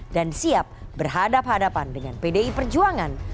dan siap berhadap hadapan dengan pdi perjuangan